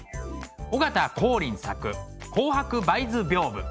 尾形光琳作「紅白梅図屏風」。